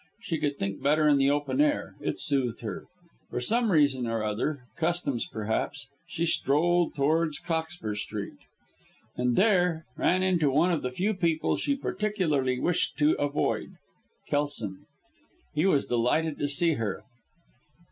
She could think better in the open air it soothed her. For some reason or other custom perhaps she strolled towards Cockspur Street, and there ran into one of the few people she particularly wished to avoid Kelson. He was delighted to see her.